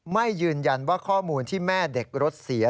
ไม่ยืนยันว่าข้อมูลที่แม่เด็กรถเสีย